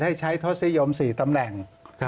ให้ใช้ทศนิยม๔ตำแหน่ง